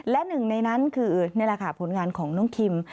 และหนึ่งในนั้นคือนี่แหละค่ะผลงานของน้องคิม